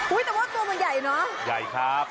แต่ว่าตัวมันใหญ่เนอะใหญ่ครับ